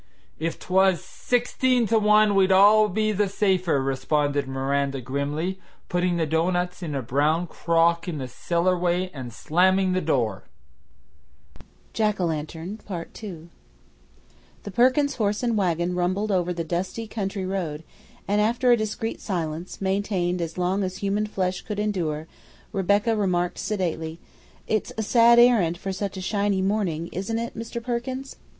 "If 't was sixteen to one we'd be all the safer," responded Miranda grimly, putting the doughnuts in a brown crock in the cellar way and slamming the door. II The Perkins horse and wagon rumbled along over the dusty country road, and after a discreet silence, maintained as long as human flesh could endure, Rebecca remarked sedately: "It's a sad errand for such a shiny morning, isn't it, Mr. Perkins?"